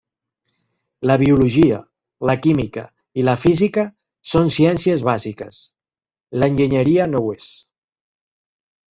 La biologia, la química i la física són ciències bàsiques; l'enginyeria no ho és.